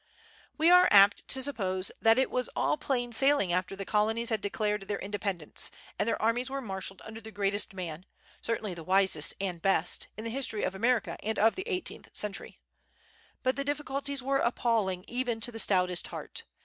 We are apt to suppose that it was all plain sailing after the colonies had declared their independence, and their armies were marshalled under the greatest man certainly the wisest and best in the history of America and of the eighteenth century. But the difficulties were appalling even to the stoutest heart.